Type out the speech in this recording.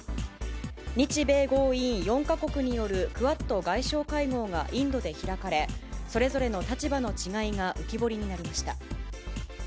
日米豪印４か国によるクアッド外相会合がインドで開かれ、それぞれの立場の違いが浮き彫りになりました。